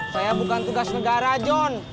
saya bukan tugas negara john